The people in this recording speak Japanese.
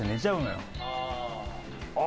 ああ。